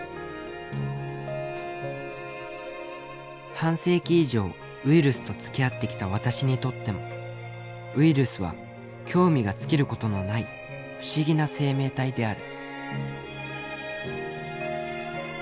「半世紀以上ウイルスと付き合ってきた私にとってもウイルスは興味がつきることのない不思議な生命体である」。